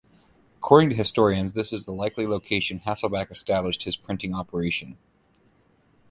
According to historians this is the likely location Hasselbach established his printing operation.